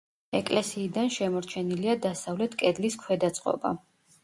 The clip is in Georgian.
ეკლესიიდან შემორჩენილია დასავლეთ კედლის ქვედა წყობა.